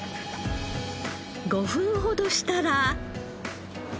５分ほどしたら。